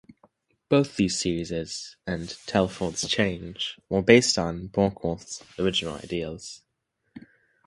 Both these series and "Telford's Change" were based on Barkworth's original ideas.